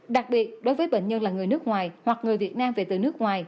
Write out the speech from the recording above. đặc biệt đối với bệnh nhân là người nước ngoài hoặc người việt nam về từ nước ngoài